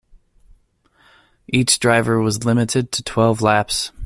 Each driver was limited to twelve laps.